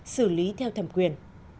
xử lý theo thẩm quyền